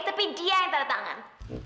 tapi dia yang tanda tangan